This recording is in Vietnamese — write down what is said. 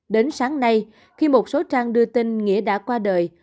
đến sáng nay khi một số trang đưa tin nghĩa đã qua đời